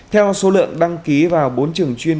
theo số lượng đăng ký vào bốn trường chuyên